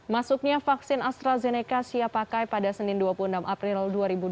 masuknya vaksin astrazeneca siap pakai pada senin dua puluh enam april dua ribu dua puluh